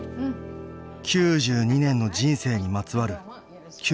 ９２年の人生にまつわる９００の質問。